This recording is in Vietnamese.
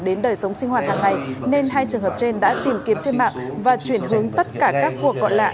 đến đời sống sinh hoạt hàng ngày nên hai trường hợp trên đã tìm kiếm trên mạng và chuyển hướng tất cả các cuộc gọi lạ